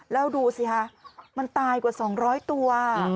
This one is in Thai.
แล้วดูสิคะมันตายกว่า๒๐๐ตัว